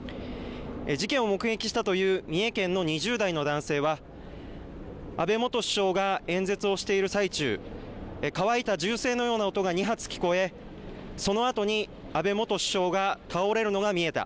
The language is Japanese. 事件を目撃したという三重県の２０代の男性は安倍元首相が演説をしている最中乾いた銃声のような音が２発聞こえそのあとに安倍元首相が倒れるのが見えた。